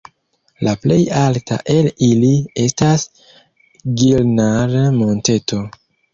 La plej alta el ili estas Girnar-Monteto.